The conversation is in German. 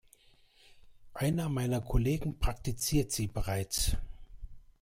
Einer meiner Kollegen praktiziert sie bereits.